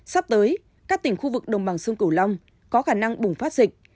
sắp tới các tỉnh khu vực đồng bằng sông cửu long có khả năng bùng phát dịch